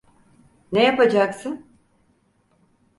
Ne yapacaksın?